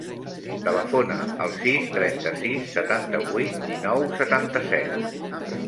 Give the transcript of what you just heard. Telefona al sis, trenta-sis, setanta-vuit, dinou, setanta-set.